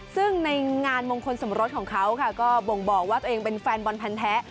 ซึ่งในงานมงคลสมรสของเขาก็บ่งบอกว่าตัวเองเป็นแฟนบอลพันธ์แท้